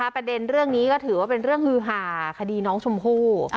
ประเด็นเรื่องนี้ก็ถือว่าเป็นเรื่องฮือหาคดีน้องชมพู่